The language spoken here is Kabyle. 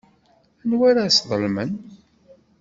Anwa ara sḍelmen?